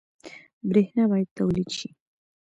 برښنا باید تولید شي